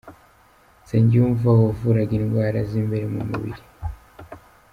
Nsengiyumva wavuraga indwara z’imbere mu mubiri.